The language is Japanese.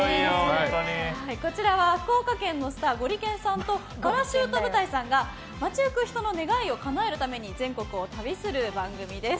こちらは福岡県のスターゴリけんさんとパラシュート部隊さんが街行く人の願いをかなえるために全国を旅する番組です。